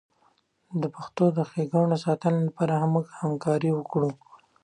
د پښتو د ښیګڼو د ساتنې لپاره موږ همکاري وکړو.